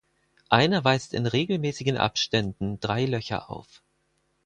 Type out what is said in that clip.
Einer weist in regelmäßigen Abständen drei Löcher auf.